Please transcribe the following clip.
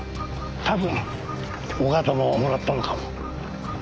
多分尾形ももらったのかも。